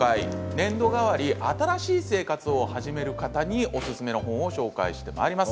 年度替わり新生活を始める方におすすめの方もご紹介してまいります。